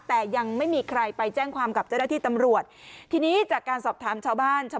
แต่ยังไม่มีใครไปแจ้งความกับเจ้าหน้าที่ตำรวจทีนี้จากการสอบถามชาวบ้านชาว